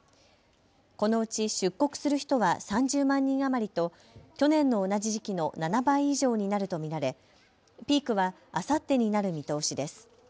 このうち出国する人は３０万人余りと去年の同じ時期の７倍以上になると見られ、ピークはあさってになる見通しです。